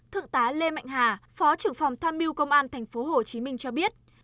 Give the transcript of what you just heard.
thượng tá lê mạnh hà phó trưởng phòng tham mưu công an tp hcm cho biết